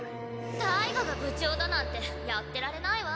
タイガが部長だなんてやってられないわ。